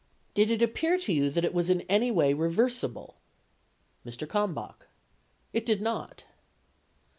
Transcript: Did it appear to you that it was in any way reversible ? Mr. Kalmbach. It did not.